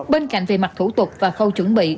bên cạnh về mặt thủ tục và khâu chuẩn bị